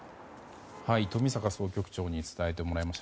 冨坂総局長に伝えてもらいました。